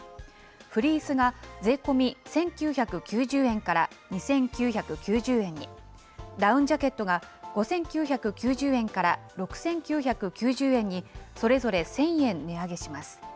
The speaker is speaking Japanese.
フリースが税込み１９９０円から２９９０円に、ダウンジャケットが５９９０円から６９９０円に、それぞれ１０００円値上げします。